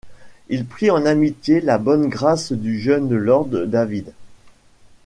Il prit en amitié la bonne grâce du jeune lord David.